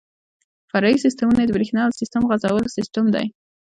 فرعي سیسټمونه یې د بریښنا او سیسټم غځولو سیستم دی.